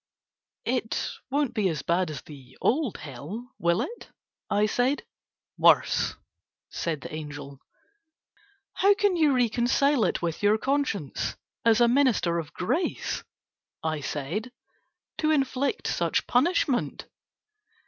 "It won't be as bad as the old hell, will it?" I said. "Worse," said the angel. "How can you reconcile it with your conscience as a Minister of Grace," I said, "to inflict such a punishment?"